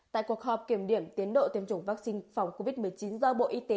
tại cuộc họp kiểm điểm tiến độ tiêm chủng vaccine phòng covid một mươi chín do bộ y tế